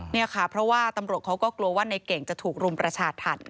นี่ค่ะเพราะว่าตำรวจเขาก็กลัวว่าในเก่งจะถูกรุมประชาธรรม